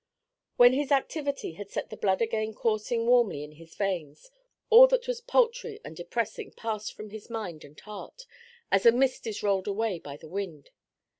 When his activity had set the blood again coursing warmly in his veins, all that was paltry and depressing passed from his mind and heart, as a mist is rolled away by the wind.